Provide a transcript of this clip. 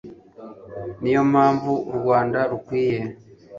niyo mpamvu u rwanda rukwiye